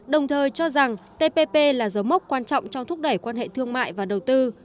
đồng thời cho rằng tpp là dấu mốc quan trọng trong thúc đẩy quan hệ thương mại và đầu tư